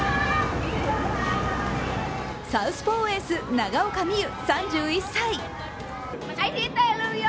サウスポーエース長岡望悠３１歳。